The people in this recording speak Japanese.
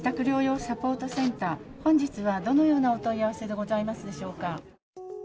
療養サポートセンター本日はどのようなお問い合わせでございますでしょうか？